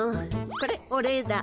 これお礼だ。